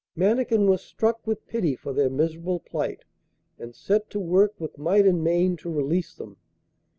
Mannikin was struck with pity for their miserable plight, and set to work with might and main to release them.